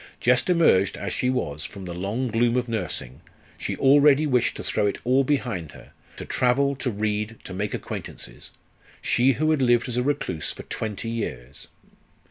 Just emerged, as she was, from the long gloom of nursing, she already wished to throw it all behind her to travel, to read, to make acquaintances she who had lived as a recluse for twenty years!